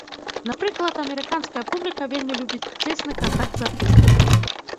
Напрыклад, амерыканская публіка вельмі любіць цесны кантакт з артыстамі.